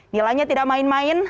nilainya tidak main main